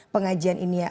pengajian ini ya